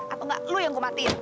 atau enggak lu yang gue matiin